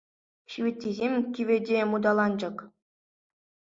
Ҫивиттисем кивӗ те муталанчӑк.